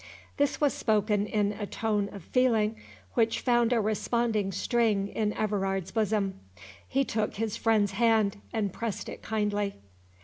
This was spoken in a tone of feeling which found a responding string in Everard's bosom. He took his friend's hand, and pressed it kindly.